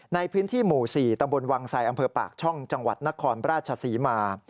ในพื้นที่หมู่๔ตำบลวังไสอำเภอปากช่องจังหวัดนครราชศรีมา